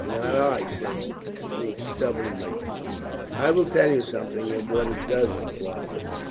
"Not I," said Ethne, stubbornly. "I will tell you something of what it does imply."